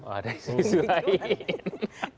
ada isu lain